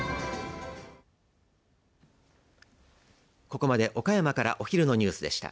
ここまで岡山からお昼のニュースでした。